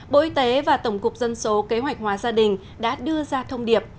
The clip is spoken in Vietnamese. bộ y tế và tổng cục dân số kế hoạch hóa gia đình đã đưa ra thông điệp